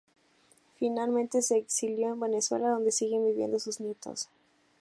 Finalmente, se exilió en Venezuela donde siguen viviendo sus nietos.